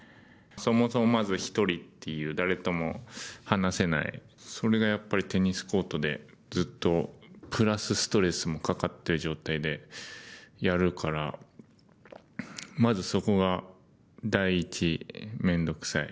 そもそもまず１人っていう、誰とも話せない、それがやっぱりテニスコートでずっとプラス、ストレスもかかっている状態でやるから、まずそこが第一、面倒くさい。